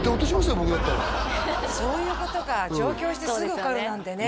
僕だったらそういうことか上京してすぐ受かるなんてね